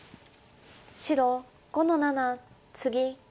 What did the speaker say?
白５の七ツギ。